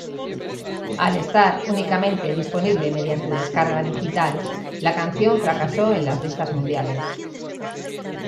Al estar únicamente disponible mediante descarga digital, la canción fracasó en las listas mundiales.